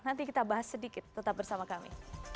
nanti kita bahas sedikit tetap bersama kami